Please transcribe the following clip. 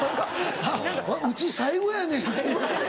うち最後やねんっていう。